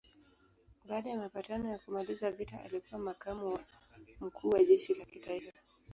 Baada ya mapatano ya kumaliza vita alikuwa makamu wa mkuu wa jeshi la kitaifa.